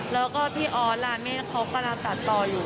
แล้วก็พี่อ๊อตลาเม่เขากำลังตัดต่ออยู่